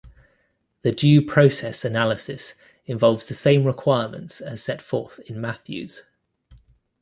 The due process analysis involves the same requirements as set forth in Matthews.